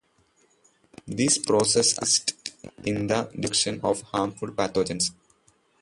This process assists in the destruction of harmful pathogens.